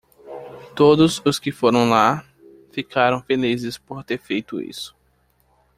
Todos os que foram lá ficaram felizes por ter feito isso.